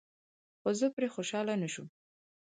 خو زه پرې خوشحاله نشوم.